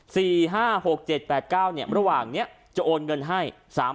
ห้าหกเจ็ดแปดเก้าเนี่ยระหว่างเนี้ยจะโอนเงินให้สาม